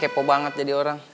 lagi kan kepo banget jadi orang